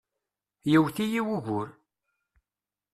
Yewwet-iyi wugur.